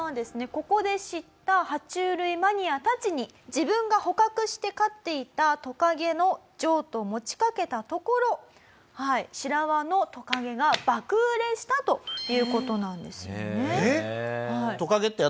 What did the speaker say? ここで知った爬虫類マニアたちに自分が捕獲して飼っていたトカゲの譲渡を持ちかけたところシラワのトカゲが爆売れしたという事なんですよね。